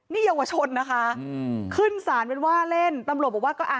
นี่เยาวชนนะคะขึ้นสารเป็นว่าเล่นตำรวจบอกว่าก็อ่ะ